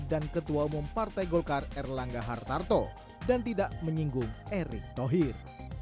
dan ketua umum partai golkar erlangga hartarto dan tidak menyinggung erick tohir